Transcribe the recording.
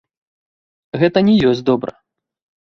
Гэта не ёсць добра.